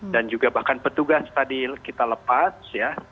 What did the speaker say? dan juga bahkan petugas tadi kita lepas ya